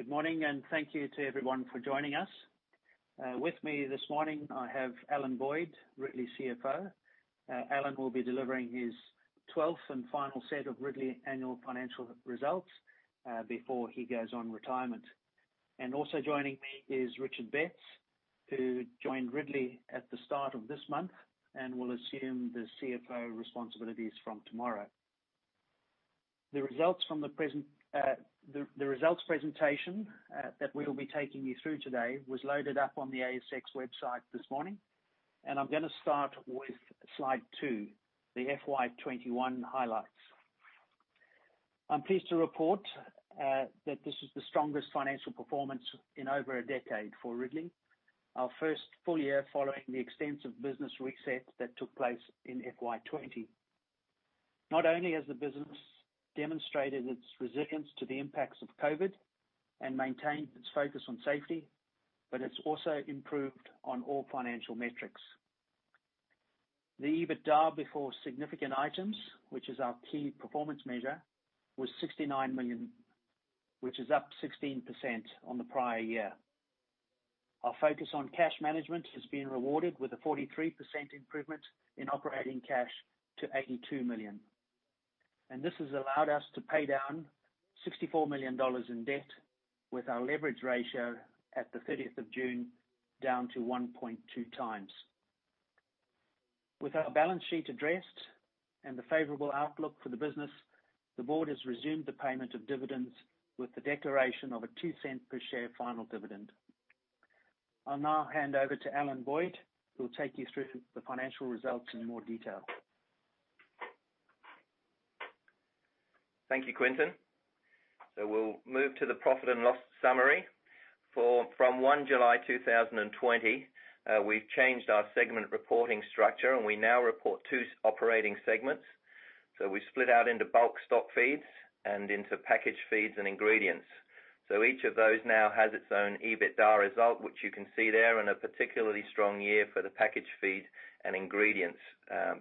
Good morning, thank you to everyone for joining us. With me this morning, I have Alan Boyd, Ridley CFO. Alan will be delivering his 12th and final set of Ridley annual financial results before he goes on retirement. Also joining me is Richard Betts, who joined Ridley at the start of this month and will assume the CFO responsibilities from tomorrow. The results presentation that we'll be taking you through today was loaded up on the ASX website this morning. I'm going to start with slide two, the FY 2021 highlights. I'm pleased to report that this is the strongest financial performance in over a decade for Ridley. Our first full year following the extensive business reset that took place in FY 2020. Not only has the business demonstrated its resilience to the impacts of COVID and maintained its focus on safety, but it's also improved on all financial metrics. The EBITDA before significant items, which is our key performance measure, was 69 million, which is up 16% on the prior year. Our focus on cash management has been rewarded with a 43% improvement in operating cash to 82 million. This has allowed us to pay down 64 million dollars in debt with our leverage ratio at the 30th of June, down to 1.2x. With our balance sheet addressed and the favorable outlook for the business, the board has resumed the payment of dividends with the declaration of a 0.02 per share final dividend. I'll now hand over to Alan Boyd, who will take you through the financial results in more detail. Thank you, Quinton. We'll move to the profit and loss summary. From 1 July 2020, we've changed our segment reporting structure, and we now report two operating segments. We've split out into Bulk Stockfeeds and into Packaged Feeds and Ingredients. Each of those now has its own EBITDA result, which you can see there, and a particularly strong year for the Packaged Feeds and Ingredients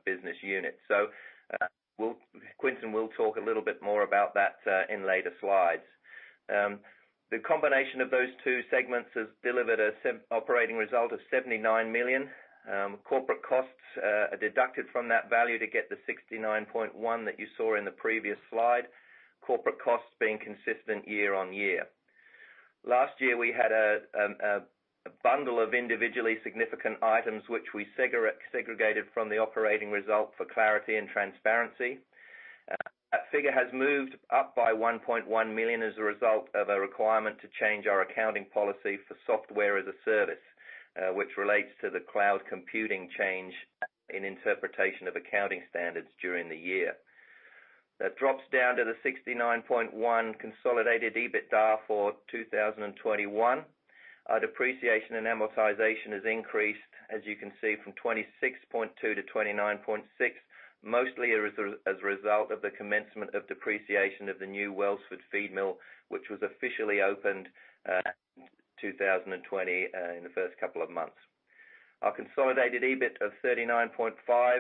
business unit. Quinton will talk a little bit more about that in later slides. The combination of those two segments has delivered a operating result of 79 million. Corporate costs are deducted from that value to get the 69.1 million that you saw in the previous slide, corporate costs being consistent year-over-year. Last year, we had a bundle of individually significant items which we segregated from the operating result for clarity and transparency. That figure has moved up by 1.1 million as a result of a requirement to change our accounting policy for software as a service, which relates to the cloud computing change in interpretation of accounting standards during the year. That drops down to the 69.1 consolidated EBITDA for 2021. Our depreciation and amortization has increased, as you can see, from 26.2 to 29.6, mostly as a result of the commencement of depreciation of the new Wellsford feed mill, which was officially opened 2020, in the first couple of months. Our consolidated EBIT of 39.5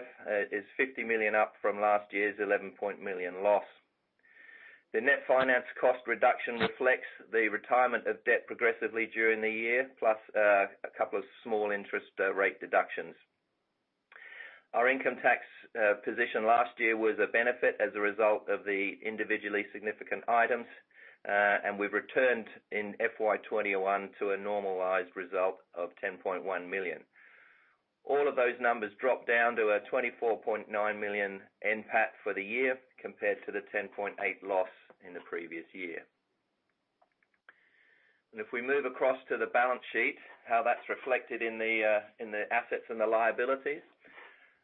is 50 million up from last year's 11 million loss. The net finance cost reduction reflects the retirement of debt progressively during the year, plus a couple of small interest rate deductions. Our income tax position last year was a benefit as a result of the individually significant items, and we've returned in FY 2021 to a normalized result of 10.1 million. All of those numbers dropped down to a 24.9 million NPAT for the year compared to the 10.8 loss in the previous year. If we move across to the balance sheet, how that's reflected in the assets and the liabilities.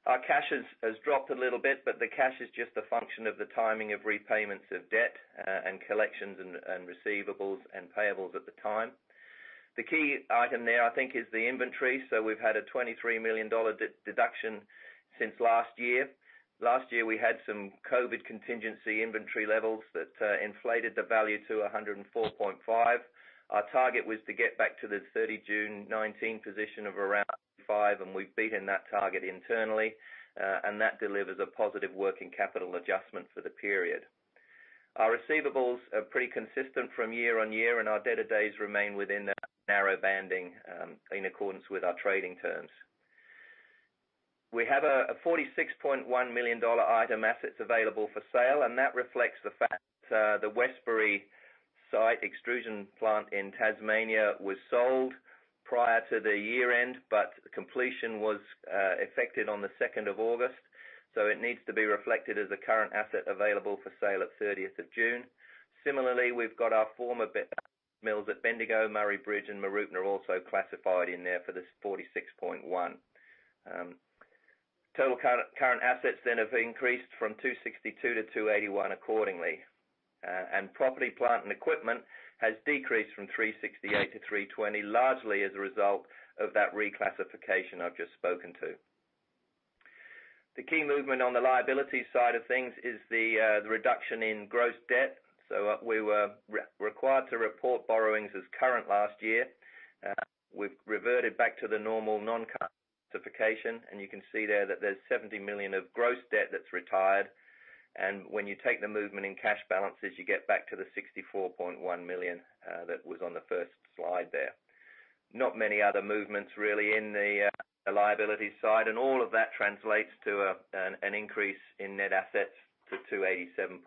Our cash has dropped a little bit, but the cash is just a function of the timing of repayments of debt and collections and receivables and payables at the time. The key item there, I think, is the inventory. We've had a 23 million dollar deduction since last year. Last year, we had some COVID contingency inventory levels that inflated the value to 104.5. Our target was to get back to the June 30, 2019 position of around five. We've beaten that target internally. That delivers a positive working capital adjustment for the period. Our receivables are pretty consistent from year-on-year. Our debtor days remain within that narrow banding, in accordance with our trading terms. We have a 46.1 million dollar item assets available for sale. That reflects the fact the Westbury site extrusion plant in Tasmania was sold prior to the year-end. Completion was affected on 2nd of August. It needs to be reflected as a current asset available for sale at June 30. Similarly, we've got our former mills at Bendigo, Murray Bridge, and Mooroopna are also classified in there for this 46.1 million. Total current assets have increased from 262 million to 281 million accordingly. Property, plant, and equipment has decreased from 368 to 320, largely as a result of that reclassification I've just spoken to. The key movement on the liability side of things is the reduction in gross debt. We were required to report borrowings as current last year. Reverted back to the normal non-capitalization. You can see there that there's 70 million of gross debt that's retired. When you take the movement in cash balances, you get back to the 64.1 million that was on the first slide there. Not many other movements really in the liability side. All of that translates to an increase in net assets to 287.5.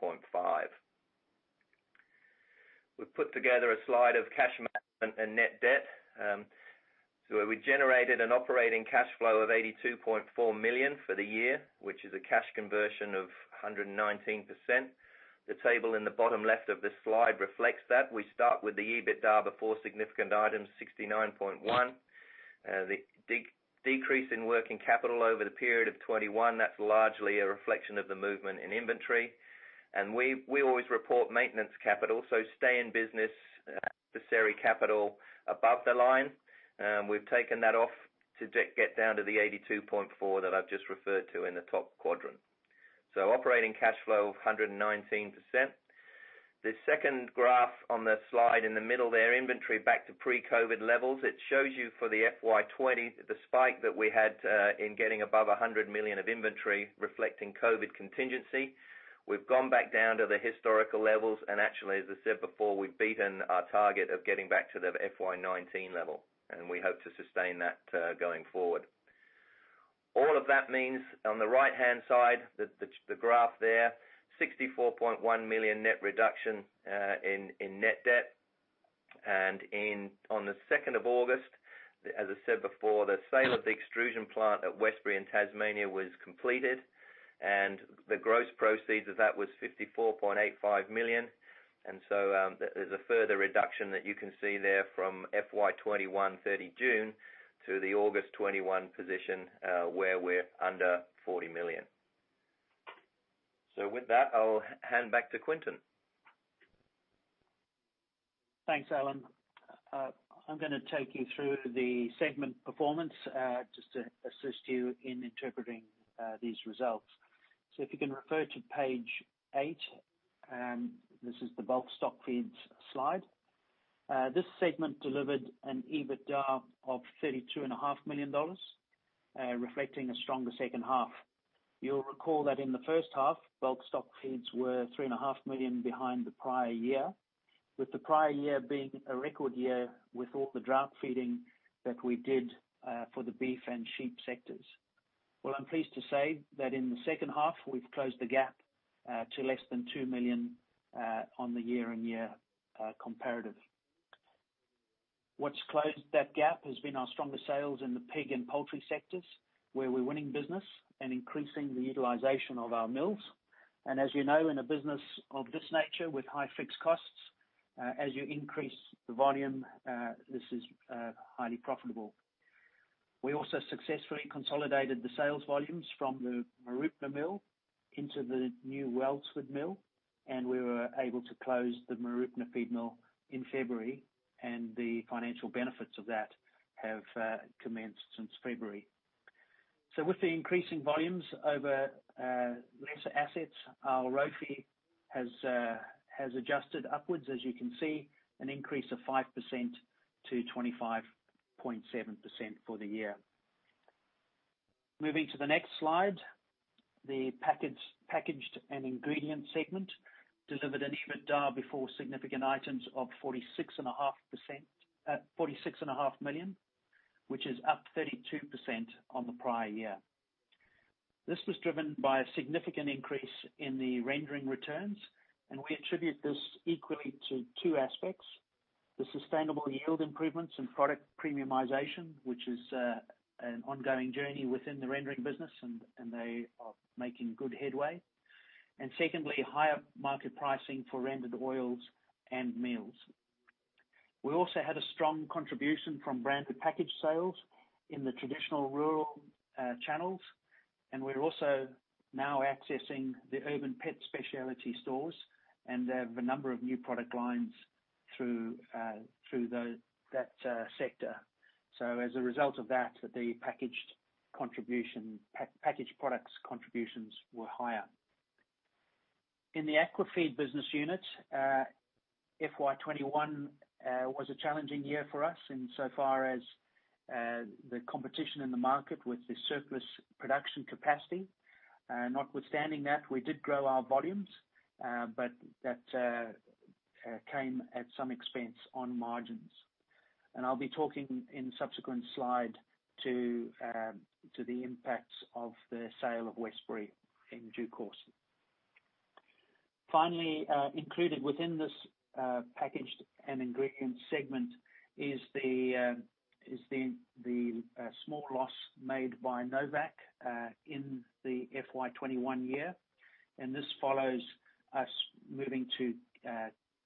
We've put together a slide of cash and net debt, where we generated an operating cash flow of 82.4 million for the year, which is a cash conversion of 119%. The table in the bottom left of this slide reflects that. We start with the EBITDA before significant items, 69.1. The decrease in working capital over the period of 2021, that's largely a reflection of the movement in inventory. We always report maintenance capital, so stay in business, necessary capital above the line. We've taken that off to get down to the 82.4 that I've just referred to in the top quadrant. Operating cash flow of 119%. The second graph on the slide in the middle there, inventory back to pre-COVID levels. It shows you for the FY 2020, the spike that we had, in getting above 100 million of inventory, reflecting COVID contingency. We've gone back down to the historical levels and actually, as I said before, we've beaten our target of getting back to the FY 2019 level, and we hope to sustain that going forward. All of that means on the right-hand side, the graph there, 64.1 million net reduction in net debt. On the 2nd of August, as I said before, the sale of the extrusion plant at Westbury in Tasmania was completed, and the gross proceeds of that was 54.85 million. There's a further reduction that you can see there from FY 2021, 30 June to the August 2021 position, where we're under 40 million. With that, I'll hand back to Quinton. Thanks, Alan. I'm going to take you through the segment performance, just to assist you in interpreting these results. If you can refer to page 8, this is the Bulk Stockfeeds slide. This segment delivered an EBITDA of 32.5 million dollars, reflecting a stronger second half. You'll recall that in the first half, Bulk Stockfeeds were three and a half million behind the prior year, with the prior year being a record year with all the drought feeding that we did for the beef and sheep sectors. I'm pleased to say that in the second half, we've closed the gap to less than 2 million on the year-on-year comparative. What's closed that gap has been our stronger sales in the pig and poultry sectors, where we're winning business and increasing the utilization of our mills. As you know, in a business of this nature with high fixed costs, as you increase the volume, this is highly profitable. We also successfully consolidated the sales volumes from the Mooroopna mill into the new Wellsford mill, and we were able to close the Mooroopna feed mill in February, and the financial benefits of that have commenced since February. With the increasing volumes over lesser assets, our ROFE has adjusted upwards, as you can see, an increase of 5% to 25.7% for the year. Moving to the next slide. The Packaged and Ingredients segment delivered an EBITDA before significant items of 46.5 million, which is up 32% on the prior year. This was driven by a significant increase in the rendering returns, and we attribute this equally to two aspects, the sustainable yield improvements and product premiumization, which is an ongoing journey within the rendering business, and they are making good headway. Secondly, higher market pricing for rendered oils and meals. We also had a strong contribution from branded package sales in the traditional rural channels, and we're also now accessing the urban pet specialty stores and have a number of new product lines through that sector. As a result of that, the packaged products contributions were higher. In the aquafeed business unit, FY 2021 was a challenging year for us in so far as the competition in the market with the surplus production capacity. Notwithstanding that, we did grow our volumes, but that came at some expense on margins. I'll be talking in subsequent slide to the impacts of the sale of Westbury in due course. Finally, included within this Packaged Feeds and Ingredients segment is the small loss made by Novacq in the FY 2021 year. This follows us moving to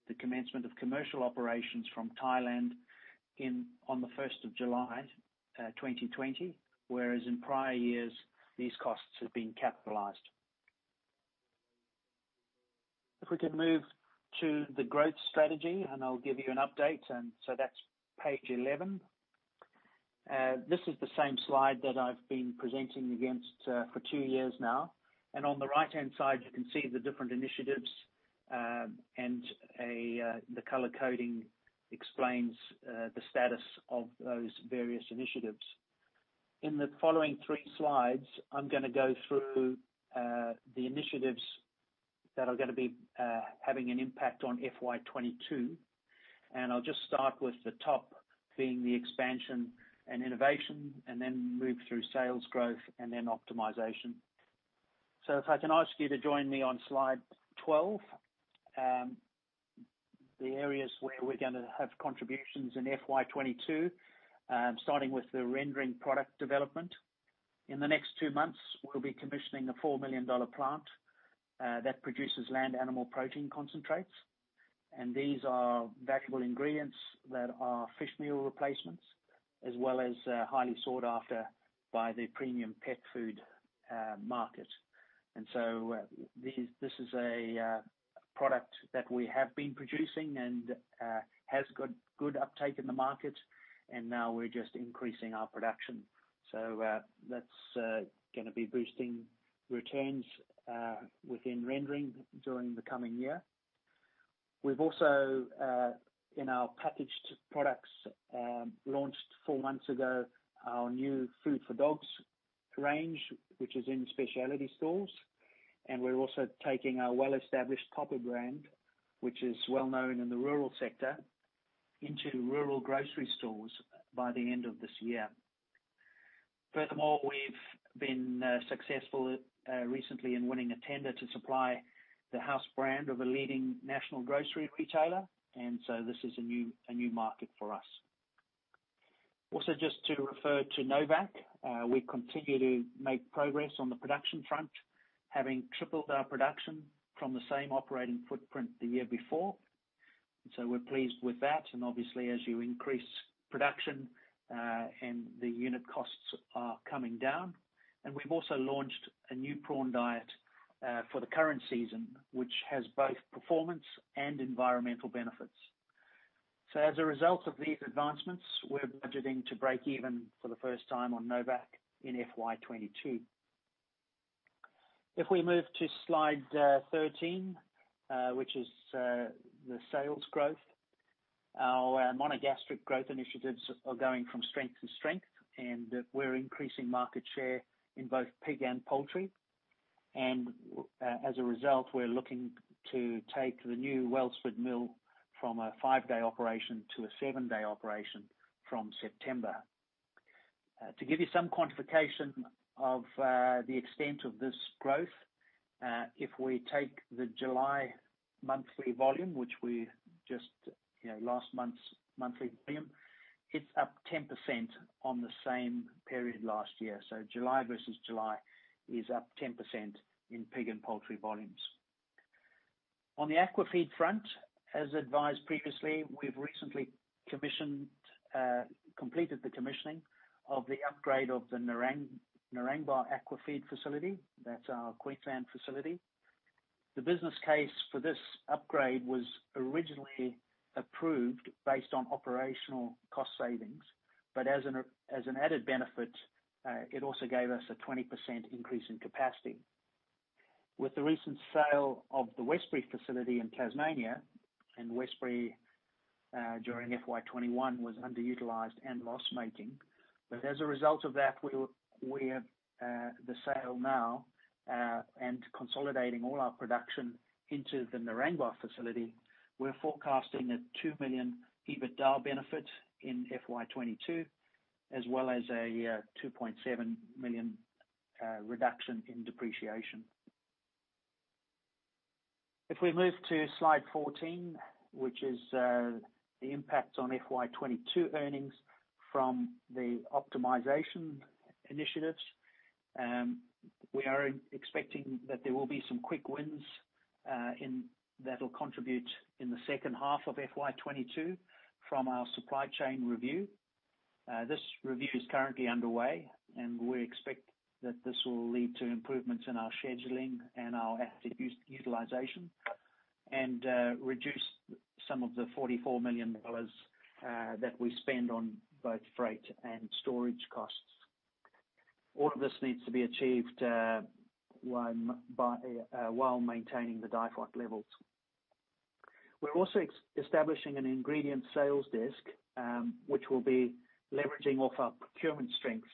the commencement of commercial operations from Thailand on the 1st of July 2020, whereas in prior years, these costs have been capitalized. If we can move to the growth strategy, and I'll give you an update. That's page 11. This is the same slide that I've been presenting against for two years now. On the right-hand side, you can see the different initiatives. The color-coding explains the status of those various initiatives. In the following three slides, I'm going to go through the initiatives that are going to be having an impact on FY 2022, and I'll just start with the top being the expansion and innovation, and then move through sales growth and then optimization. If I can ask you to join me on slide 12, the areas where we're going to have contributions in FY 2022, starting with the rendering product development. In the next two months, we'll be commissioning an 4 million dollar plant that produces land animal protein concentrates. These are valuable ingredients that are fish meal replacements, as well as highly sought after by the premium pet food market. This is a product that we have been producing and has got good uptake in the market, and now we're just increasing our production. That's going to be boosting returns within rendering during the coming year. We've also, in our packaged products, launched four months ago, our new food for dogs range, which is in specialty stores. We're also taking our well-established Cobber brand, which is well-known in the rural sector, into rural grocery stores by the end of this year. Furthermore, we've been successful recently in winning a tender to supply the house brand of a leading national grocery retailer, and so this is a new market for us. Also, just to refer to Novacq, we continue to make progress on the production front, having tripled our production from the same operating footprint the year before. We're pleased with that, and obviously as you increase production, and the unit costs are coming down. We've also launched a new prawn diet for the current season, which has both performance and environmental benefits. As a result of these advancements, we're budgeting to break even for the first time on Novacq in FY 2022. If we move to slide 13, which is the sales growth. Our monogastric growth initiatives are going from strength to strength, and we're increasing market share in both pig and poultry. As a result, we're looking to take the new Wellsford mill from a five day operation to a seven day operation from September. To give you some quantification of the extent of this growth, if we take the July monthly volume, which we just, last month's monthly volume, it's up 10% on the same period last year. July versus July is up 10% in pig and poultry volumes. On the aquafeed front, as advised previously, we've recently completed the commissioning of the upgrade of the Narangba aquafeed facility. That's our Queensland facility. The business case for this upgrade was originally approved based on operational cost savings, but as an added benefit, it also gave us a 20% increase in capacity. With the recent sale of the Westbury facility in Tasmania, and Westbury, during FY 2021, was underutilized and loss-making. As a result of that, with the sale now, and consolidating all our production into the Narangba facility, we're forecasting an 2 million EBITDA benefit in FY 2022, as well as an 2.7 million reduction in depreciation. If we move to slide 14, which is the impact on FY 2022 earnings from the optimization initiatives. We are expecting that there will be some quick wins that'll contribute in the second half of FY 2022 from our supply chain review. We expect that this will lead to improvements in our scheduling and our asset utilization and reduce some of the 44 million dollars that we spend on both freight and storage costs. All of this needs to be achieved while maintaining the DIFOT levels. We're also establishing an ingredient sales desk, which will be leveraging off our procurement strengths.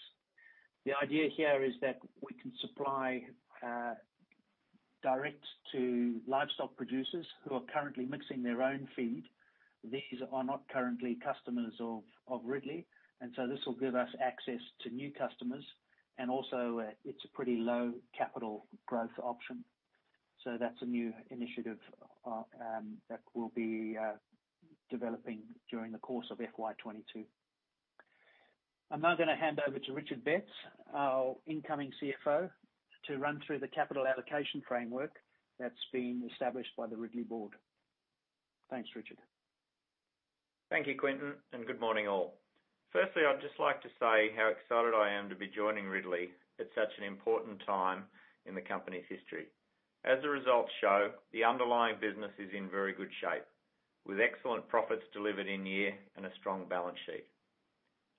The idea here is that we can supply direct to livestock producers who are currently mixing their own feed. These are not currently customers of Ridley, and this will give us access to new customers and also, it's a pretty low capital growth option. That's a new initiative that we'll be developing during the course of FY 2022. I'm now going to hand over to Richard Betts, our incoming CFO, to run through the capital allocation framework that's been established by the Ridley board. Thanks, Richard. Thank you, Quinton, and good morning all. Firstly, I'd just like to say how excited I am to be joining Ridley at such an important time in the company's history. As the results show, the underlying business is in very good shape, with excellent profits delivered in year and a strong balance sheet.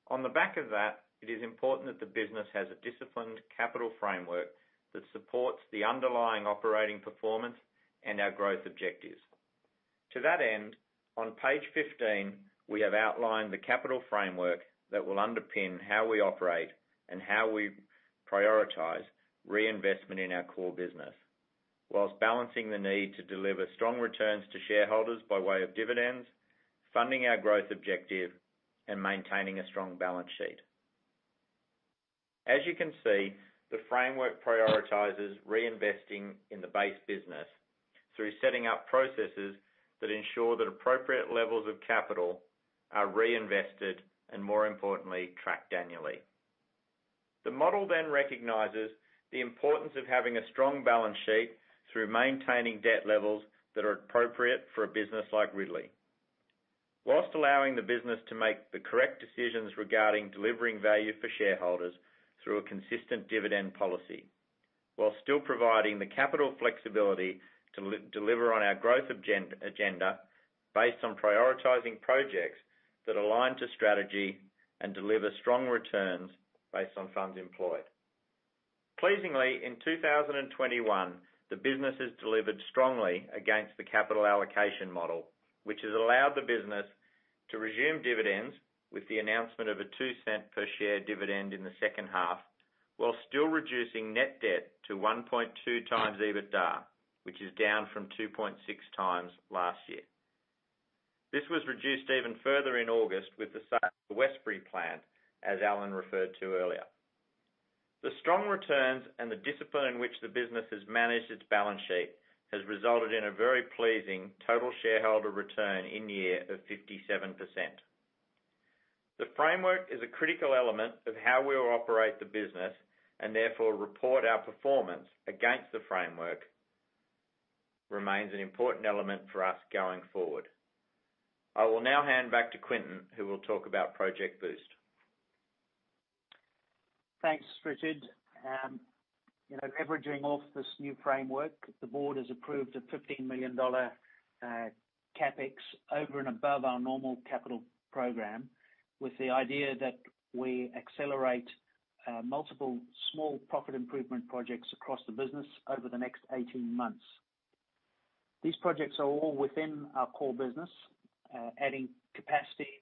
On the back of that, it is important that the business has a disciplined capital framework that supports the underlying operating performance and our growth objectives. To that end, on page 15, we have outlined the capital framework that will underpin how we operate and how we prioritize reinvestment in our core business, whilst balancing the need to deliver strong returns to shareholders by way of dividends, funding our growth objective, and maintaining a strong balance sheet. As you can see, the framework prioritizes reinvesting in the base business through setting up processes that ensure that appropriate levels of capital are reinvested and, more importantly, tracked annually. The model then recognizes the importance of having a strong balance sheet through maintaining debt levels that are appropriate for a business like Ridley, whilst allowing the business to make the correct decisions regarding delivering value for shareholders through a consistent dividend policy. While still providing the capital flexibility to deliver on our growth agenda based on prioritizing projects that align to strategy and deliver strong returns based on funds employed. Pleasingly, in 2021, the business has delivered strongly against the capital allocation model, which has allowed the business to resume dividends with the announcement of an 0.02 per share dividend in the second half, while still reducing net debt to 1.2x EBITDA, which is down from 2.6x last year. This was reduced even further in August with the sale of the Westbury plant, as Alan referred to earlier. The strong returns and the discipline in which the business has managed its balance sheet has resulted in a very pleasing total shareholder return in year of 57%. The framework is a critical element of how we will operate the business and therefore report our performance against the framework remains an important element for us going forward. I will now hand back to Quinton, who will talk about Project Boost. Thanks, Richard. Leveraging off this new framework, the board has approved a 15 million dollar CapEx over and above our normal capital program, with the idea that we accelerate multiple small profit improvement projects across the business over the next 18 months. These projects are all within our core business, adding capacity,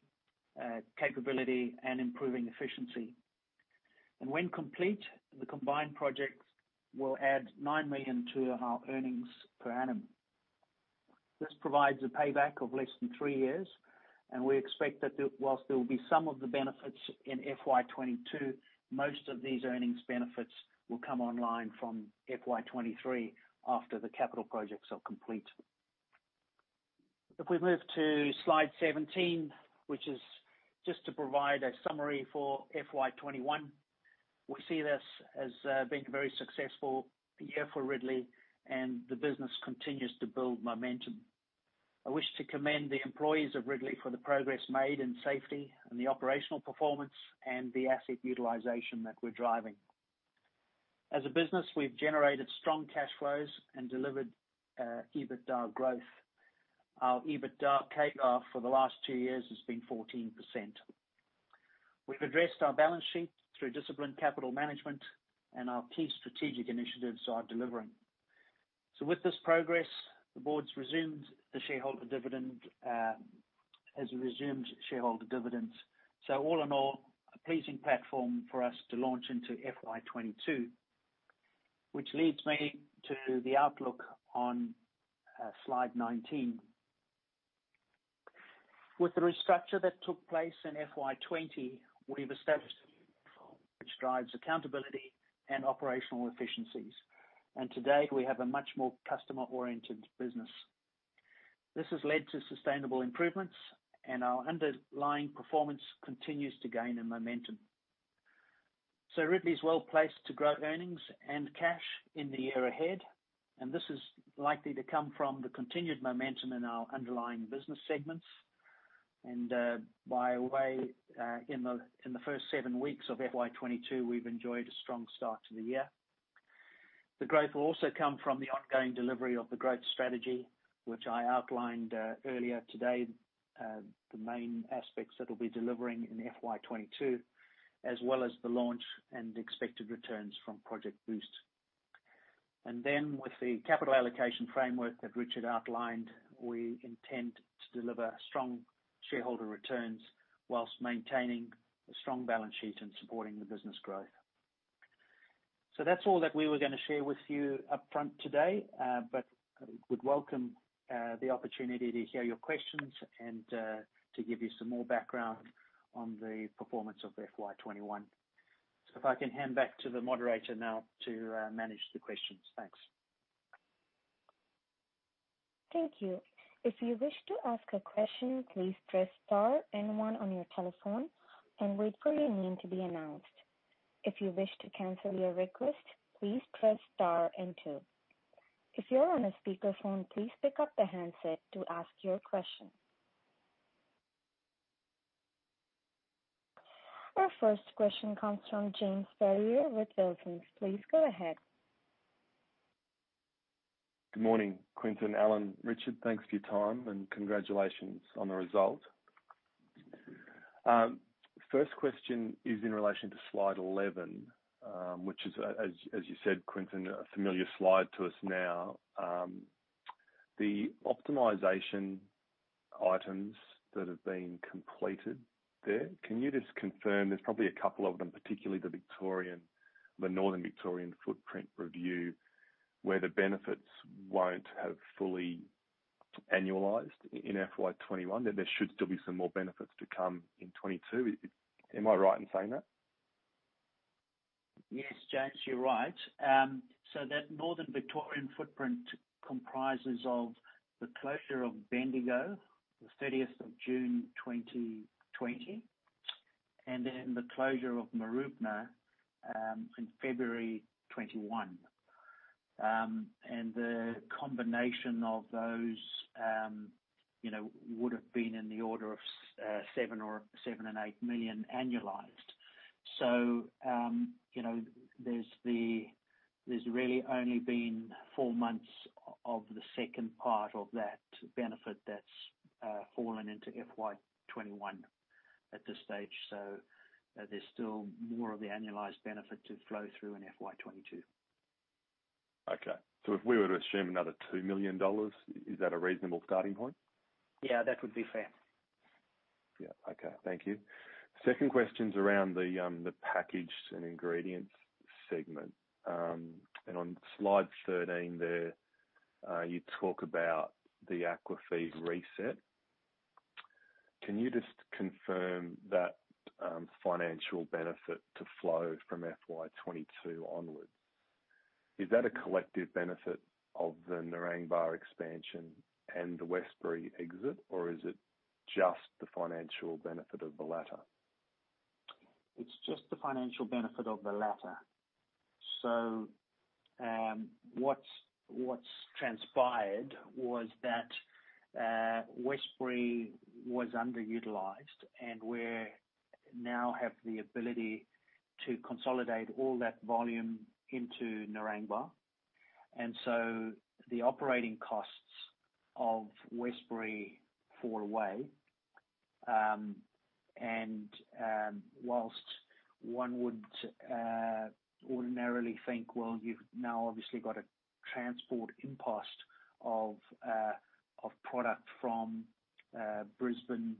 capability, and improving efficiency. When complete, the combined projects will add 9 million to our earnings per annum. This provides a payback of less than three years, and we expect that whilst there will be some of the benefits in FY 2022, most of these earnings benefits will come online from FY 2023 after the capital projects are complete. If we move to slide 17, which is just to provide a summary for FY 2021. We see this as being a very successful year for Ridley, and the business continues to build momentum. I wish to commend the employees of Ridley for the progress made in safety and the operational performance and the asset utilization that we're driving. As a business, we've generated strong cash flows and delivered EBITDA growth. Our EBITDA CAGR for the last two years has been 14%. We've addressed our balance sheet through disciplined capital management, and our key strategic initiatives are delivering. With this progress, the board has resumed shareholder dividends. All in all, a pleasing platform for us to launch into FY 2022. Which leads me to the outlook on slide 19. With the restructure that took place in FY 2020, we've established which drives accountability and operational efficiencies. To date, we have a much more customer-oriented business. This has led to sustainable improvements, and our underlying performance continues to gain in momentum. Ridley is well-placed to grow earnings and cash in the year ahead, and this is likely to come from the continued momentum in our underlying business segments. By the way, in the first seven weeks of FY 2022, we've enjoyed a strong start to the year. The growth will also come from the ongoing delivery of the growth strategy, which I outlined earlier today, the main aspects that we'll be delivering in FY 2022, as well as the launch and expected returns from Project Boost. Then with the capital allocation framework that Richard outlined, we intend to deliver strong shareholder returns whilst maintaining a strong balance sheet and supporting the business growth. That's all that we were going to share with you upfront today, but would welcome the opportunity to hear your questions and to give you some more background on the performance of FY 2021. If I can hand back to the moderator now to manage the questions. Thanks. Thank you. If you wish to ask a question, please press star and one on your telephone and wait for your name to be announced. If you wish to cancel your request, please press star and two. If you're on a speakerphone, please pick up the handset to ask your question. Our first question comes from James Ferrier with Wilsons. Please go ahead. Good morning, Quinton, Alan, Richard. Thanks for your time, and congratulations on the result. First question is in relation to slide 11, which is, as you said, Quinton, a familiar slide to us now. The optimization items that have been completed there, can you just confirm there's probably a couple of them, particularly the Northern Victorian Footprint Review, where the benefits won't have fully annualized in FY 2021, that there should still be some more benefits to come in FY 2022. Am I right in saying that? Yes, James, you're right. That Northern Victorian footprint comprises of the closure of Bendigo, the 30th of June 2020, and then the closure of Mooroopna, in February 2021. The combination of those would've been in the order of 7 million and 8 million annualized. There's really only been four months of the second part of that benefit that's fallen into FY 2021 at this stage. There's still more of the annualized benefit to flow through in FY 2022. Okay. If we were to assume another 2 million dollars, is that a reasonable starting point? Yeah, that would be fair. Yeah. Okay. Thank you. Second question's around the Packaged Feeds and Ingredients segment. On slide 13 there, you talk about the Aquafeed reset. Can you just confirm that financial benefit to flow from FY 2022 onwards? Is that a collective benefit of the Narangba expansion and the Westbury exit, or is it just the financial benefit of the latter? It's just the financial benefit of the latter. What's transpired was that Westbury was underutilized, and we now have the ability to consolidate all that volume into Narangba. The operating costs of Westbury fall away. Whilst one would ordinarily think, well, you've now obviously got a transport impost of product from Brisbane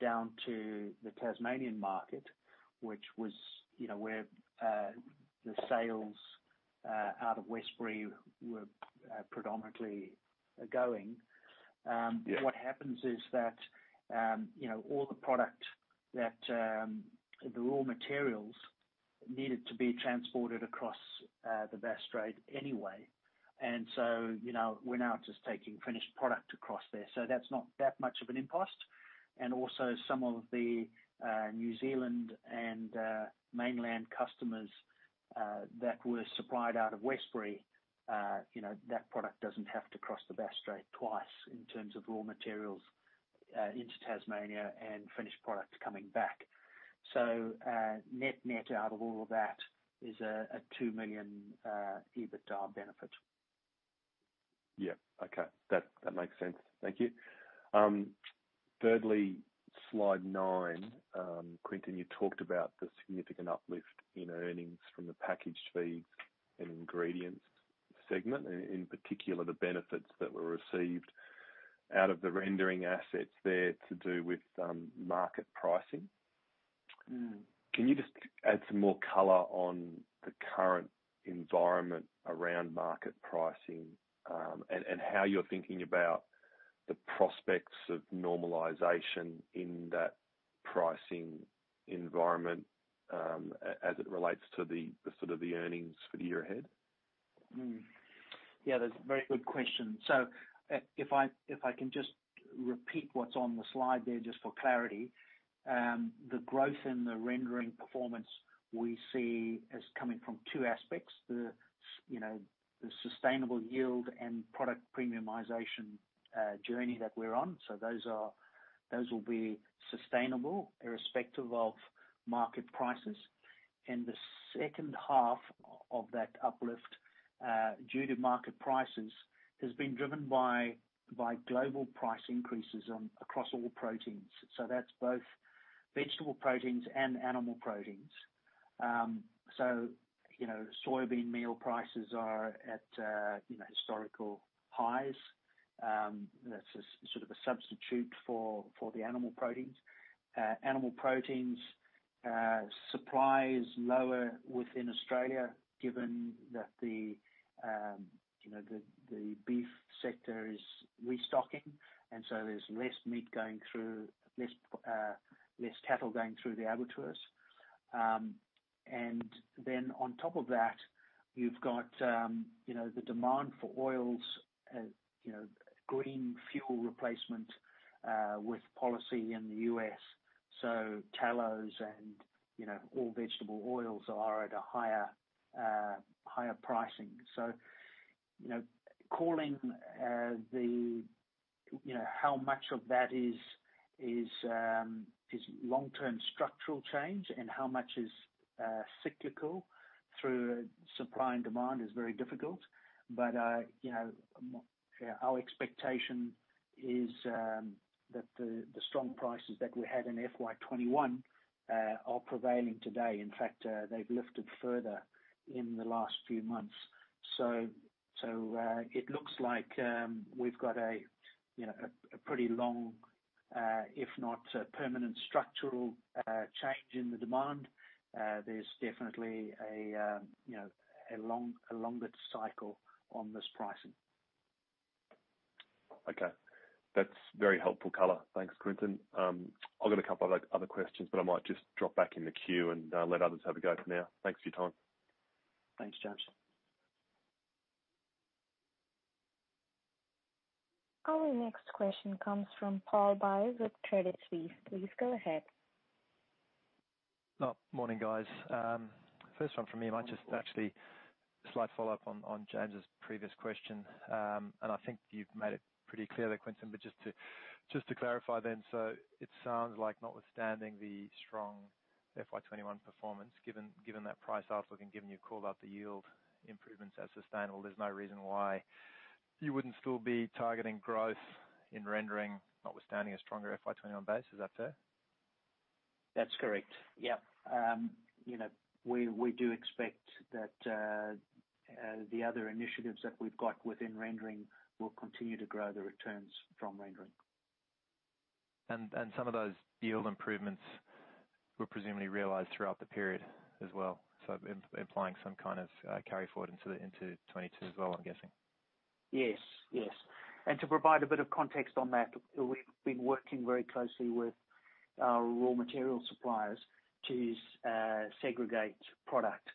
down to the Tasmanian market, which was where the sales out of Westbury were predominantly going. Yeah. what happens is that all the product that the raw materials needed to be transported across the Bass Strait anyway. We're now just taking finished product across there. That's not that much of an impost. Also some of the New Zealand and mainland customers that were supplied out of Westbury, that product doesn't have to cross the Bass Strait twice in terms of raw materials into Tasmania and finished products coming back. Net-net out of all of that is an 2 million EBITDA benefit. Yeah. Okay. That makes sense. Thank you. Thirdly, slide nine, Quinton, you talked about the significant uplift in earnings from the Packaged Feeds and Ingredients segment, in particular, the benefits that were received out of the rendering assets there to do with market pricing. Can you just add some more color on the current environment around market pricing, and how you're thinking about the prospects of normalization in that pricing environment, as it relates to the earnings for the year ahead? Yeah, that's a very good question. If I can just repeat what's on the slide there just for clarity, the growth in the rendering performance we see as coming from two aspects. The sustainable yield and product premiumization journey that we're on. Those will be sustainable irrespective of market prices. The second half of that uplift, due to market prices, has been driven by global price increases across all proteins. That's both vegetable proteins and animal proteins. Soybean meal prices are at historical highs. That's a substitute for the animal proteins. Animal proteins supply is lower within Australia given that the beef sector is restocking, and so there's less cattle going through the abattoirs. Then on top of that, you've got the demand for oils as green fuel replacement, with policy in the U.S. Tallow and all vegetable oils are at a higher pricing. How much of that is long-term structural change and how much is cyclical through supply and demand is very difficult. Our expectation is that the strong prices that we had in FY 2021 are prevailing today. In fact, they've lifted further in the last few months. It looks like we've got a pretty long, if not permanent structural change in the demand. There's definitely a longer cycle on this pricing. Okay. That's very helpful color. Thanks, Quinton. I've got a couple of other questions, but I might just drop back in the queue and let others have a go for now. Thanks for your time. Thanks, James. Our next question comes from Paul Buys with Credit Suisse. Please go ahead. Morning, guys. First one from me might just actually slight follow-up on James's previous question. I think you've made it pretty clear there, Quinton, but just to clarify then, so it sounds like notwithstanding the strong FY 2021 performance, given that price outlook and given you called out the yield improvements as sustainable, there's no reason why you wouldn't still be targeting growth in rendering, notwithstanding a stronger FY 2021 base. Is that fair? That's correct. Yep. We do expect that the other initiatives that we've got within rendering will continue to grow the returns from rendering. Some of those yield improvements were presumably realized throughout the period as well, so implying some kind of carry forward into FY 2022 as well, I'm guessing? Yes. To provide a bit of context on that, we've been working very closely with our raw material suppliers to segregate product.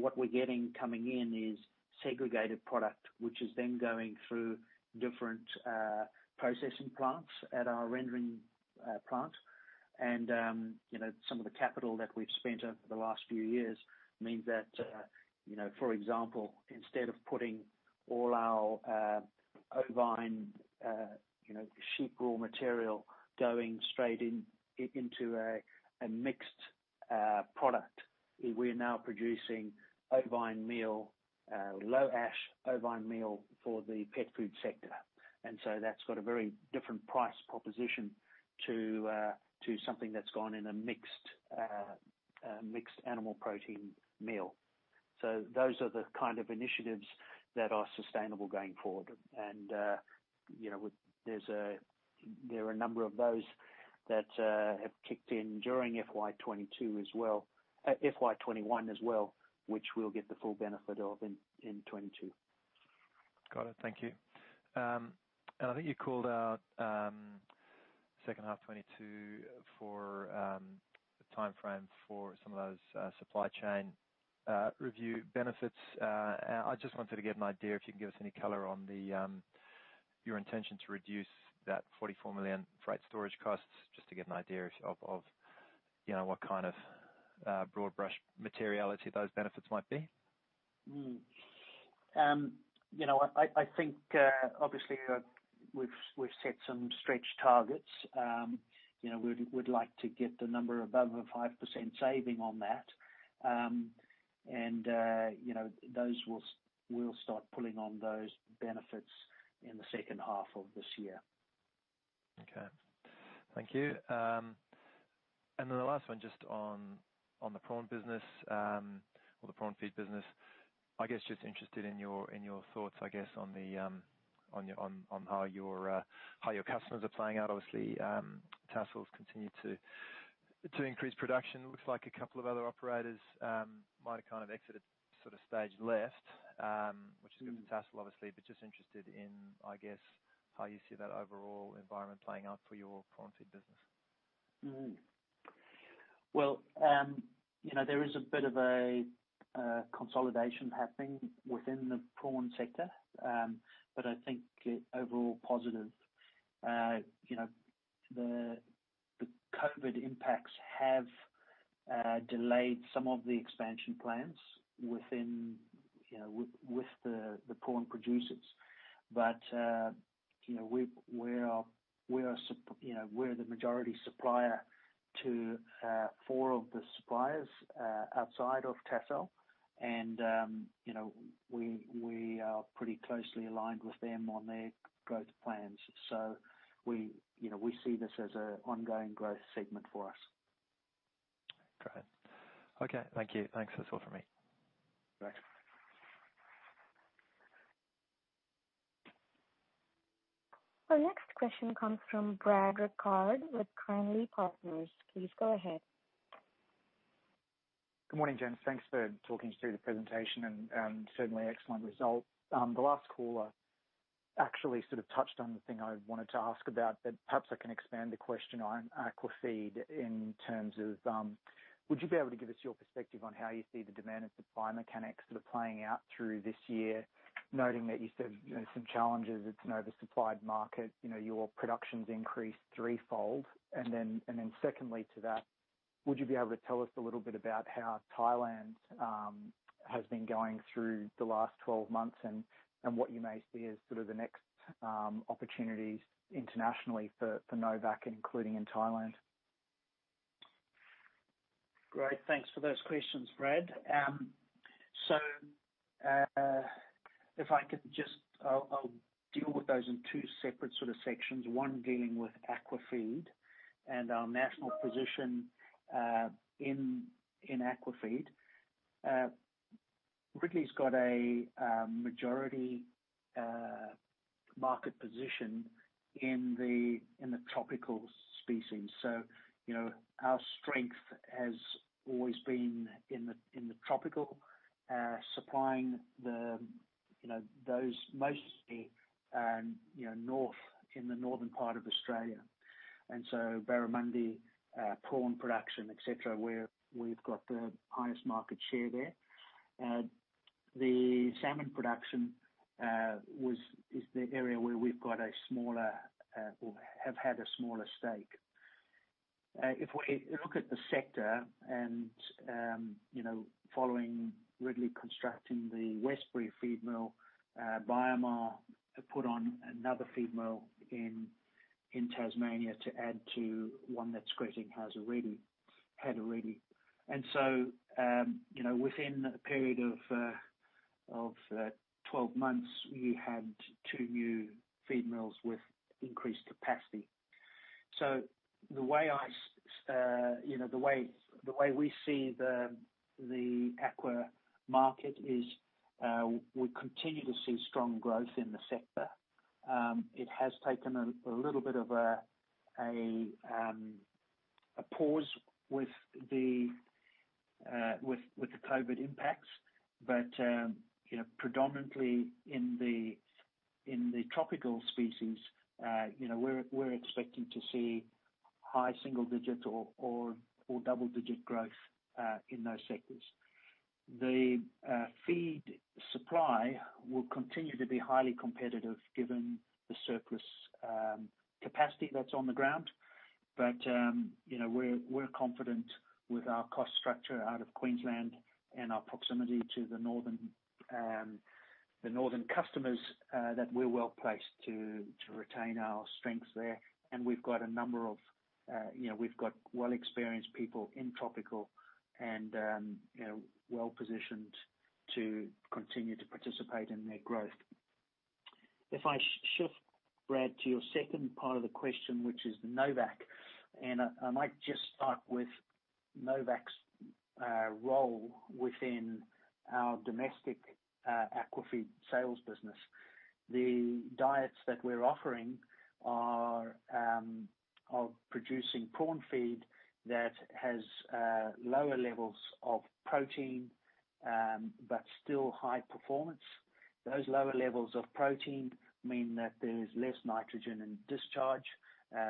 What we're getting coming in is segregated product, which is then going through different processing plants at our rendering plant. Some of the capital that we've spent over the last few years means that, for example, instead of putting all our ovine sheep raw material going straight into a mixed product, we are now producing low ash ovine meal for the pet food sector. Those are the kind of initiatives that are sustainable going forward. There are a number of those that have kicked in during FY 2021 as well, which we'll get the full benefit of in FY 2022. Got it. Thank you. I think you called out second half 2022 for the timeframe for some of those supply chain review benefits. I just wanted to get an idea if you can give us any color on your intention to reduce that 44 million freight storage costs, just to get an idea of what kind of broad-brush materiality those benefits might be. I think, obviously, we've set some stretch targets. We'd like to get the number above a 5% saving on that. We'll start pulling on those benefits in the second half of this year. Okay. Thank you. Then the last one, just on the prawn feed business, I guess, just interested in your thoughts, I guess, on how your customers are playing out. Obviously, Tassal's continued to increase production. It looks like a couple of other operators might have kind of exited sort of stage left, which is good for Tassal, obviously, but just interested in, I guess, how you see that overall environment playing out for your prawn feed business. There is a bit of a consolidation happening within the prawn sector, but I think overall positive. The COVID impacts have delayed some of the expansion plans with the prawn producers. We're the majority supplier to four of the suppliers outside of Tassal, and we are pretty closely aligned with them on their growth plans. We see this as an ongoing growth segment for us. Great. Okay. Thank you. Thanks. That's all for me. Thanks. Our next question comes from [Brad Collin] with [Cranley Partners]. Please go ahead. Good morning, James. Thanks for talking us through the presentation and certainly excellent result. The last caller actually sort of touched on the thing I wanted to ask about, but perhaps I can expand the question on aquafeed in terms of, would you be able to give us your perspective on how you see the demand and supply mechanics sort of playing out through this year, noting that you said some challenges, it's an oversupplied market, your production's increased threefold? Secondly, to that. Would you be able to tell us a little bit about how Thailand has been going through the last 12 months and what you may see as the next opportunities internationally for Novacq, including in Thailand? Great. Thanks for those questions, Brad. If I could just, I'll deal with those in two separate sections. One dealing with aqua feed and our national position in aqua feed. Ridley's got a majority market position in the tropical species. Our strength has always been in the tropical, supplying those mostly north, in the northern part of Australia. Barramundi, prawn production, et cetera, where we've got the highest market share there. The salmon production is the area where we've got a smaller, or have had a smaller stake. If we look at the sector and following Ridley constructing the Westbury feed mill, BioMar have put on another feed mill in Tasmania to add to one that Skretting had already. Within a period of 12 months, we had two new feed mills with increased capacity. The way we see the aqua market is, we continue to see strong growth in the sector. It has taken a little bit of a pause with the COVID impacts, but predominantly in the tropical species, we're expecting to see high single-digit or double-digit growth in those sectors. The feed supply will continue to be highly competitive given the surplus capacity that's on the ground. We're confident with our cost structure out of Queensland and our proximity to the northern customers, that we're well-placed to retain our strengths there. We've got well-experienced people in tropical and well-positioned to continue to participate in that growth. If I shift, Brad, to your second part of the question, which is Novacq, and I might just start with Novacq's role within our domestic aqua feed sales business. The diets that we're offering are of producing prawn feed that has lower levels of protein, but still high performance. Those lower levels of protein mean that there is less nitrogen in discharge,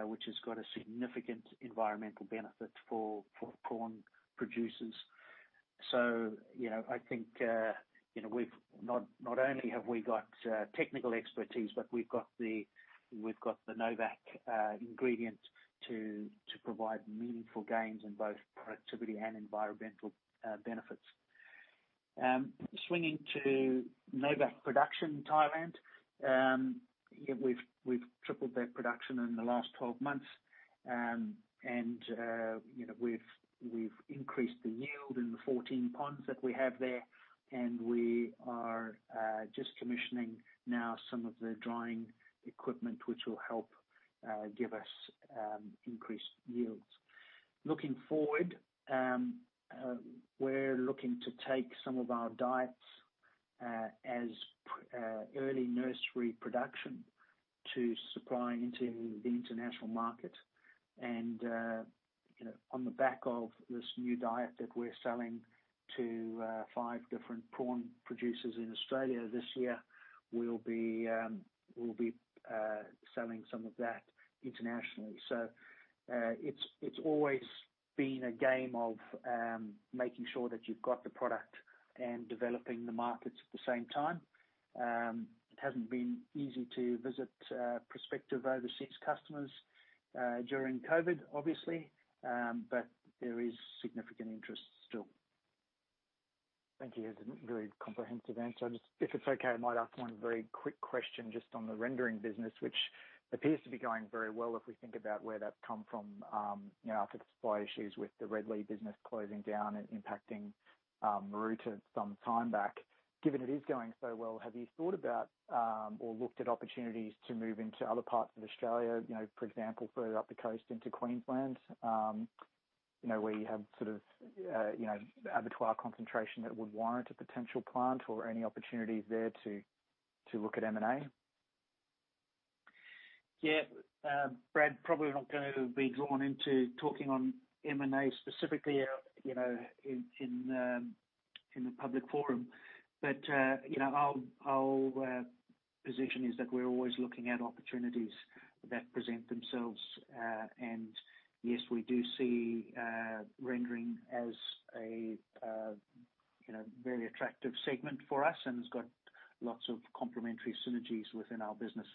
which has got a significant environmental benefit for prawn producers. I think not only have we got technical expertise, but we've got the Novacq ingredient to provide meaningful gains in both productivity and environmental benefits. Swinging to Novacq production in Thailand, we've tripled that production in the last 12 months. We've increased the yield in the 14 ponds that we have there, and we are just commissioning now some of the drying equipment, which will help give us increased yields. Looking forward, we're looking to take some of our diets as early nursery production to supplying into the international market. On the back of this new diet that we're selling to five different prawn producers in Australia this year, we'll be selling some of that internationally. It's always been a game of making sure that you've got the product and developing the markets at the same time. It hasn't been easy to visit prospective overseas customers during COVID, obviously, but there is significant interest still. Thank you. That's a very comprehensive answer. I just, if it's okay, I might ask one very quick question just on the rendering business, which appears to be going very well if we think about where that's come from after the supply issues with the Ridley business closing down and impacting Maroota some time back. Given it is going so well, have you thought about, or looked at opportunities to move into other parts of Australia, for example, further up the coast into Queensland? Where you have abattoir concentration that would warrant a potential plant or any opportunities there to look at M&A? Yeah. Brad, probably not going to be drawn into talking on M&A specifically in the public forum. Our position is that we're always looking at opportunities that present themselves. Yes, we do see rendering as a very attractive segment for us and it's got lots of complementary synergies within our business.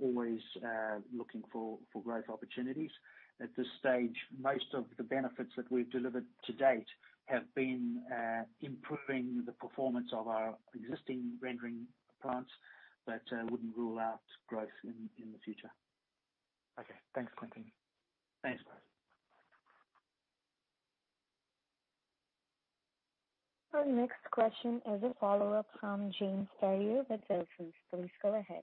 Always looking for growth opportunities. At this stage, most of the benefits that we've delivered to date have been improving the performance of our existing rendering plants, but wouldn't rule out growth in the future. Okay. Thanks, Quinton. Thanks, James. Our next question is a follow-up from James Ferrier with Wilsons. Please go ahead.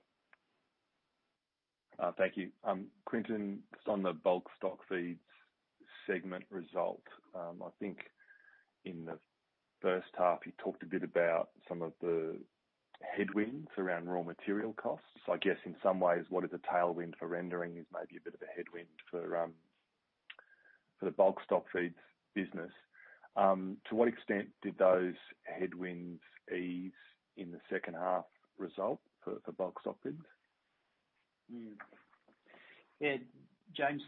Thank you. Quinton, just on the Bulk Stockfeeds segment result. I think in the first half you talked a bit about some of the headwinds around raw material costs. I guess in some ways, what is a tailwind for rendering is maybe a bit of a headwind for the Bulk Stockfeeds business. To what extent did those headwinds ease in the second half result for Bulk Stockfeeds? James,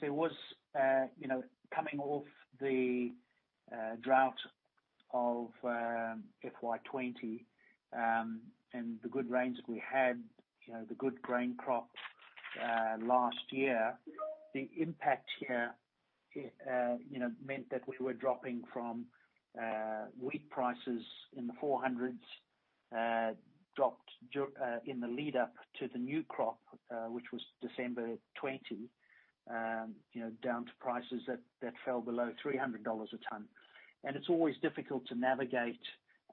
coming off the drought of FY 2020, the good rains we had, the good grain crop last year, the impact here meant that we were dropping from wheat prices in the 400s, dropped in the lead-up to the new crop which was December 2020, down to prices that fell below 300 dollars a ton. It's always difficult to navigate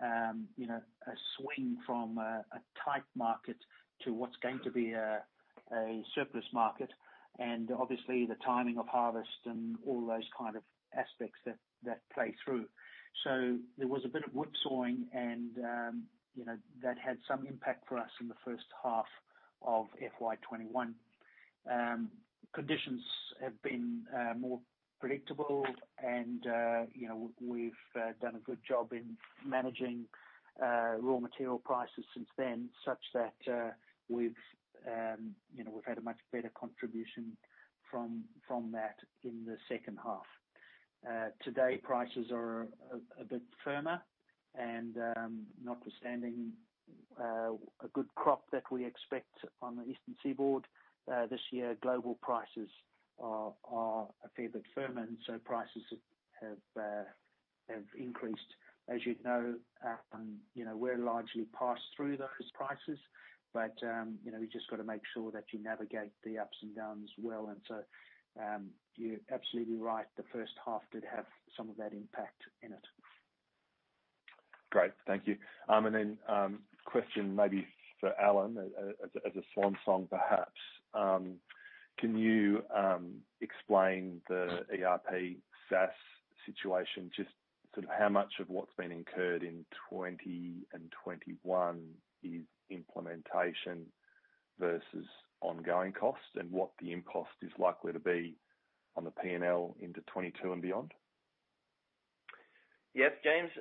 a swing from a tight market to what's going to be a surplus market, obviously the timing of harvest and all those kind of aspects that play through. There was a bit of wood sawing and that had some impact for us in the first half of FY 2021. Conditions have been more predictable and we've done a good job in managing raw material prices since then, such that we've had a much better contribution from that in the second half. Today, prices are a bit firmer and notwithstanding a good crop that we expect on the eastern seaboard this year, global prices are a fair bit firmer, and so prices have increased. As you'd know, we're largely passed through those prices, but you just got to make sure that you navigate the ups and downs well. You're absolutely right, the first half did have some of that impact in it. Great. Thank you. Question maybe for Alan, as a swan song, perhaps. Can you explain the ERP SaaS situation, just how much of what's been incurred in FY 2020 and FY 2021 is implementation versus ongoing cost, and what the impact is likely to be on the P&L into FY 2022 and beyond? Yes, James.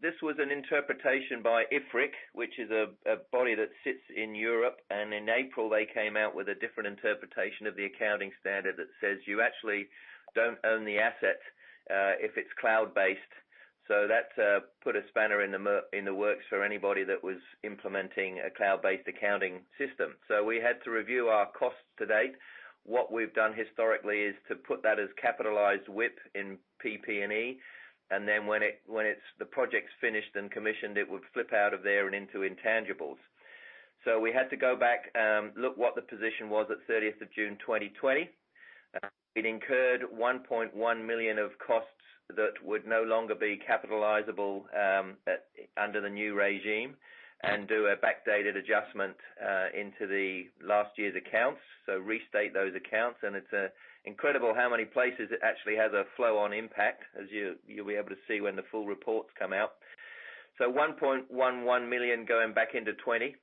This was an interpretation by IFRIC, which is a body that sits in Europe, and in April they came out with a different interpretation of the accounting standard that says you actually don't own the asset if it's cloud-based. That put a spanner in the works for anybody that was implementing a cloud-based accounting system. We had to review our costs to date. What we've done historically is to put that as capitalized WIP in PP&E, and then when the project's finished and commissioned, it would flip out of there and into intangibles. We had to go back, look what the position was at 30th of June 2020. It incurred 1.1 million of costs that would no longer be capitalizable under the new regime and do a backdated adjustment into the last year's accounts, restate those accounts. It's incredible how many places it actually has a flow on impact, as you'll be able to see when the full reports come out. 1.11 million going back into 2020.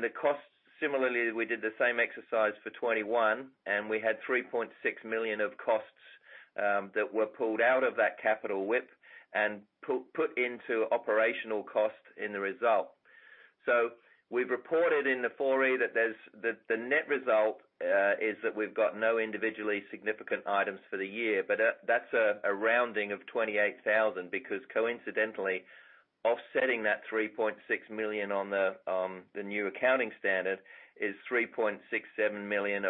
The costs, similarly, we did the same exercise for 2021, and we had 3.6 million of costs that were pulled out of that capital WIP and put into operational cost in the result. We've reported in the 4E that the net result is that we've got no individually significant items for the year. That's a rounding of 28,000 because coincidentally, offsetting that 3.6 million on the new accounting standard is 3.67 million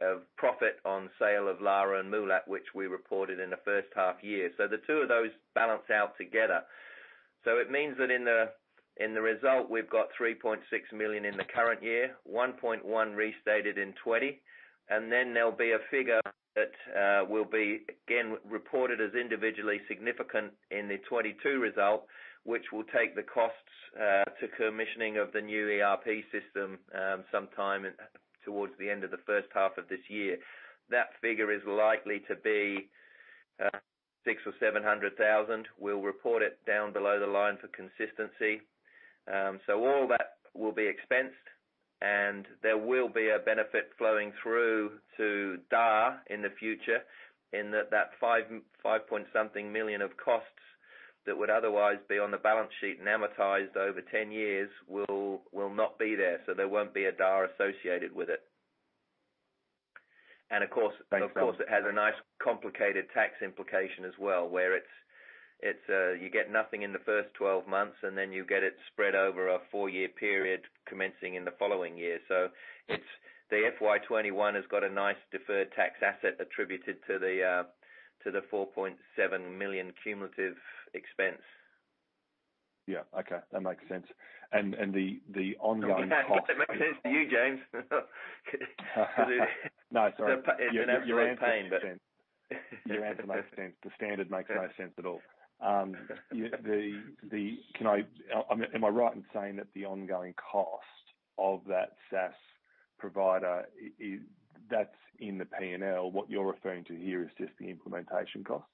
of profit on sale of Lara and Moolap, which we reported in the first half year. The two of those balance out together. It means that in the result, we've got 3.6 million in the current year, 1.1 million restated in FY 2020. Then there'll be a figure that will be again, reported as individually significant in the FY 2022 result, which will take the costs to commissioning of the new ERP system sometime towards the end of the first half of this year. That figure is likely to be 600,000 or 700,000. We'll report it down below the line for consistency. All that will be expensed and there will be a benefit flowing through to D&A in the future in that AUD five-point something million of costs that would otherwise be on the balance sheet and amortized over 10 years will not be there. There won't be a D&A associated with it. And of course, it has a nice complicated tax implication as well, where you get nothing in the first 12 months, and then you get it spread over a four year period commencing in the following year. The FY 2021 has got a nice deferred tax asset attributed to the 4.7 million cumulative expense. Yeah. Okay. That makes sense. I'm glad that makes sense to you, James. No, sorry. An absolute pain, but. Your answer makes sense. The standard makes no sense at all. Am I right in saying that the ongoing cost of that SaaS provider, that's in the P&L? What you're referring to here is just the implementation costs?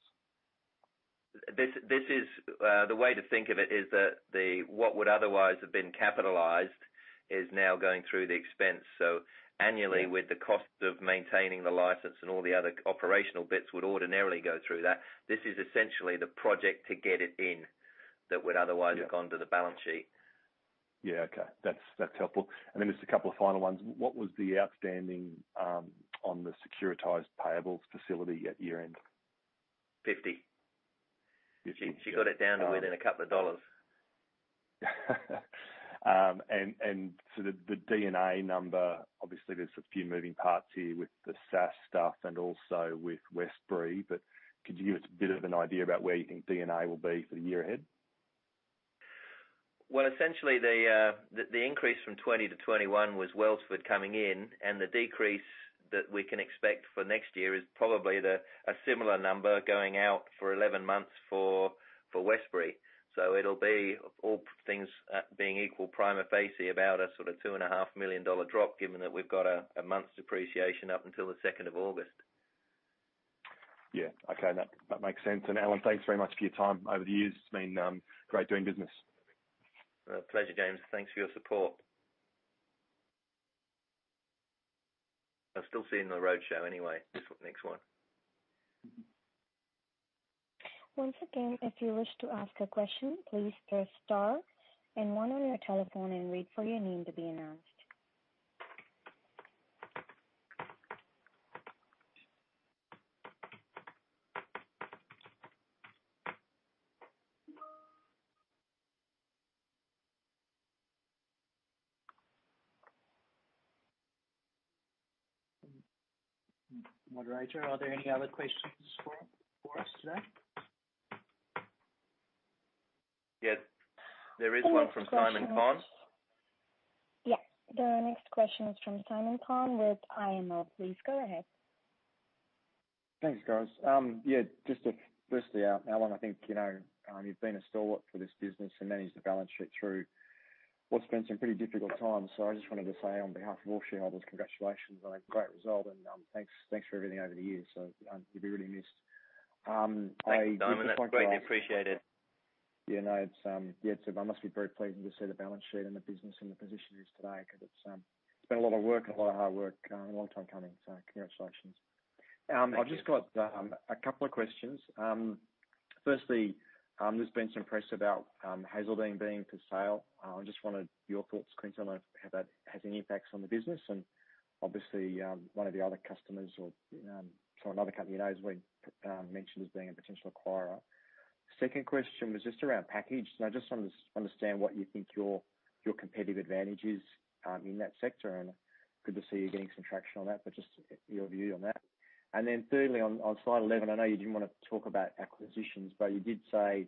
The way to think of it is that what would otherwise have been capitalized is now going through the expense. Annually, with the cost of maintaining the license and all the other operational bits would ordinarily go through that. This is essentially the project to get it in that would otherwise have gone to the balance sheet. Yeah. Okay. That's helpful. Just a couple of final ones. What was the outstanding on the securitized payables facility at year-end? 50. She got it down to within a couple of dollars. The D&A number, obviously there's a few moving parts here with the SaaS stuff and also with Westbury, but could you give us a bit of an idea about where you think D&A will be for the year ahead? Well, essentially the increase from FY 2020 to FY 2021 was Wellsford coming in, and the decrease that we can expect for next year is probably a similar number going out for 11 months for Westbury. It'll be, all things being equal, prima facie, about an two and a half million dollar drop, given that we've got a month's depreciation up until the second of August. Yeah. Okay. That makes sense. Alan, thanks very much for your time over the years. It's been great doing business. A pleasure, James. Thanks for your support. I'll still see you in the roadshow anyway, next one. Once again, if you wish to ask a question, please press star and one on your telephone and wait for your name to be announced. Moderator, are there any other questions for us today? Yeah. There is one from Simon Conn. Yes. The next question is from Simon Conn with IML, please go ahead. Thanks, guys. Yeah, just firstly, Alan, I think you've been a stalwart for this business and managed the balance sheet through what's been some pretty difficult times. I just wanted to say on behalf of all shareholders, congratulations on a great result and thanks for everything over the years. You'll be really missed. Thanks, Simon. That's greatly appreciated. Yeah, it must be very pleasing to see the balance sheet and the business in the position it is today, because it's been a lot of work, a lot of hard work, a long time coming. Congratulations. Thank you. I've just got a couple of questions. Firstly, there's been some press about Hazeldene being for sale. I just wanted your thoughts, Quinton, on how that has any impacts on the business and obviously, one of the other customers or another company you know has been mentioned as being a potential acquirer. Second question was just around package. I just want to understand what you think your competitive advantage is in that sector, and good to see you getting some traction on that, but just your view on that. Then thirdly, on slide 11, I know you didn't want to talk about acquisitions, but you did say,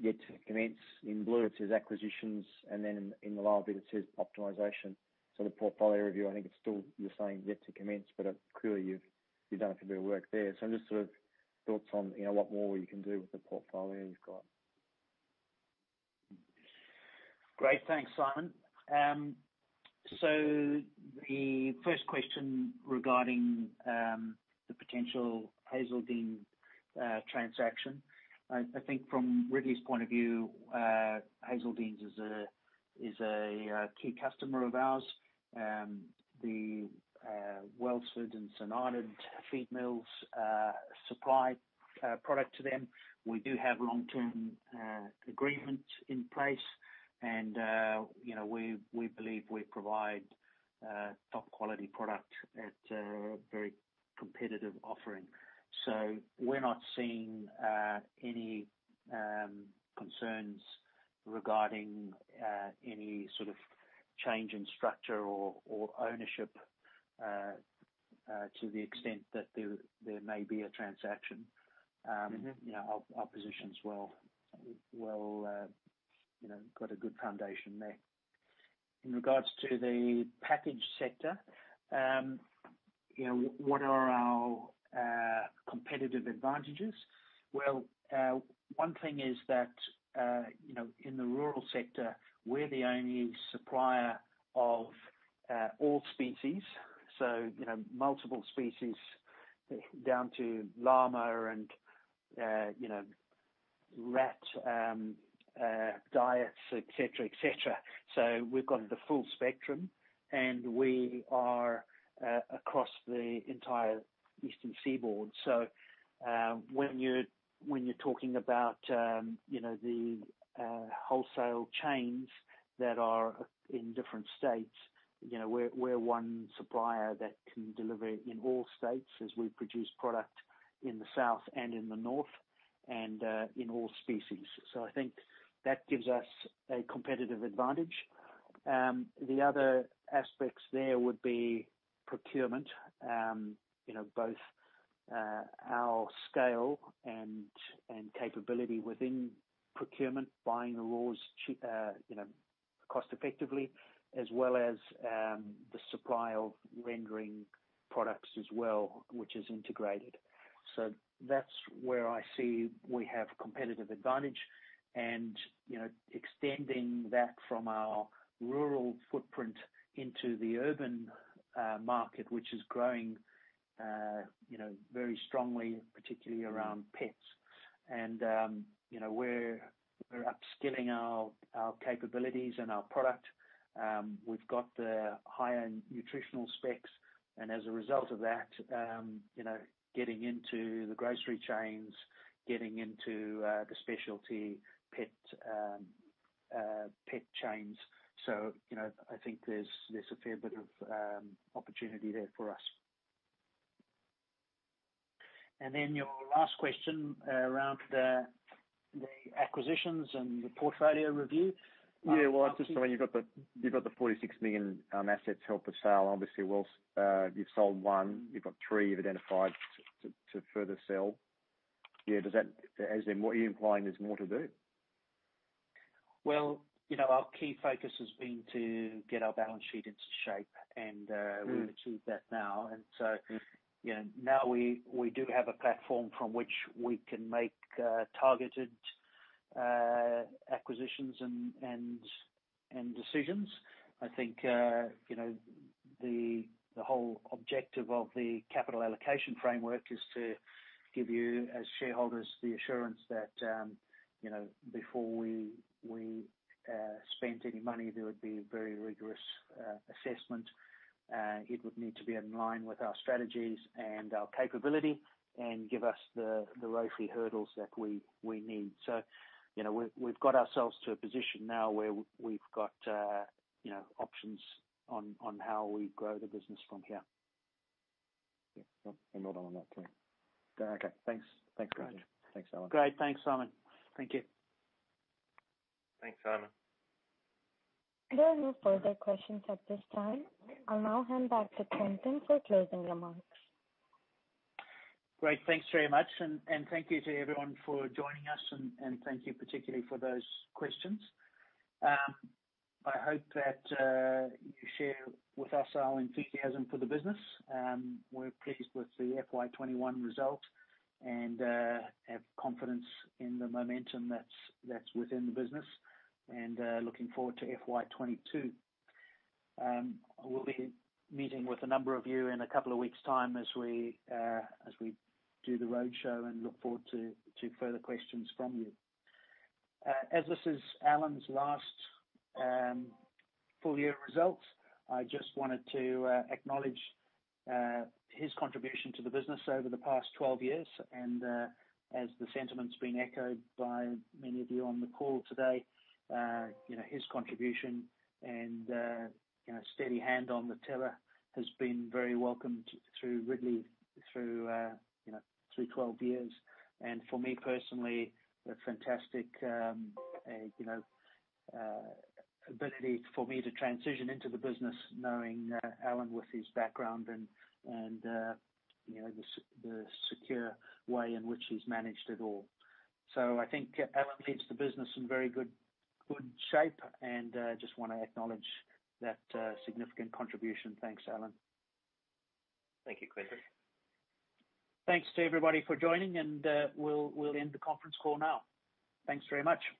"Yet to commence." In blue it says, "Acquisitions," and then in the lower bit it says, "Optimization." The portfolio review, I think it's still, you're saying yet to commence, but clearly you've done a fair bit of work there. Just sort of thoughts on what more you can do with the portfolio you've got. Great. Thanks, Simon. The first question regarding the potential Hazeldene transaction. I think from Ridley's point of view, Hazeldene is a key customer of ours. The Wellsford and St Arnaud feed mills supply product to them. We do have long-term agreements in place and we believe we provide a top-quality product at a very competitive offering. We're not seeing any concerns regarding any sort of change in structure or ownership to the extent that there may be a transaction. Our position's well, got a good foundation there. In regards to the package sector, what are our competitive advantages? Well, one thing is that in the rural sector, we're the only supplier of all species, so multiple species down to llama and rat diets, et cetera. We've got the full spectrum, and we are across the entire Eastern Seaboard. When you're talking about the wholesale chains that are in different states, we're one supplier that can deliver in all states as we produce product in the South and in the North, and in all species. I think that gives us a competitive advantage. The other aspects there would be procurement, both our scale and capability within procurement, buying the raws cost-effectively, as well as the supply of rendering products as well, which is integrated. That's where I see we have competitive advantage and extending that from our rural footprint into the urban market, which is growing very strongly, particularly around pets. We're upskilling our capabilities and our product. We've got the higher nutritional specs and as a result of that, getting into the grocery chains, getting into the specialty pet chains. I think there's a fair bit of opportunity there for us. Your last question around the acquisitions and the portfolio review. Yeah. Well, I was just wondering, you've got the 46 million assets held for sale. Obviously, you've sold one. You've got three you've identified to further sell. Yeah. As in, what you're implying there's more to do? Well, our key focus has been to get our balance sheet into shape. We've achieved that now. Now we do have a platform from which we can make targeted acquisitions and decisions. I think the whole objective of the capital allocation framework is to give you, as shareholders, the assurance that before we spent any money, there would be very rigorous assessment. It would need to be in line with our strategies and our capability and give us the ROIC hurdles that we need. We've got ourselves to a position now where we've got options on how we grow the business from here. Yeah. A lot on that too. Okay. Thanks. Great. Thanks, Alan. Great. Thanks, Simon. Thank you. Thanks, Simon. There are no further questions at this time. I'll now hand back to Quinton for closing remarks. Great. Thanks very much, and thank you to everyone for joining us, and thank you particularly for those questions. I hope that you share with us our enthusiasm for the business. We're pleased with the FY 2021 result and have confidence in the momentum that's within the business, and looking forward to FY 2022. We'll be meeting with a number of you in a couple of weeks' time as we do the roadshow, and look forward to further questions from you. As this is Alan's last full year results, I just wanted to acknowledge his contribution to the business over the past 12 years, and as the sentiment's been echoed by many of you on the call today, his contribution and steady hand on the tiller has been very welcomed through Ridley through 12 years. For me personally, a fantastic ability for me to transition into the business knowing Alan with his background and the secure way in which he's managed it all. I think Alan leaves the business in very good shape, and just want to acknowledge that significant contribution. Thanks, Alan. Thank you, Quinton. Thanks to everybody for joining, and we'll end the conference call now. Thanks very much.